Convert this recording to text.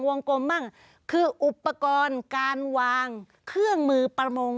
วงกลมบ้างคืออุปกรณ์การวางเครื่องมือประมง